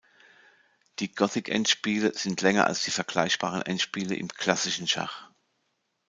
Die Gothic-Endspiele sind länger als die vergleichbaren Endspiele im klassischen Schach.